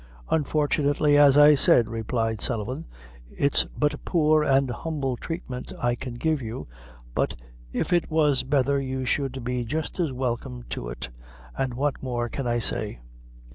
"Unfortunately, as I said," replied Sullivan, "it's but poor an' humble treatment I can give you; but if it was betther you should be jist as welcome to it, an' what more can I say?"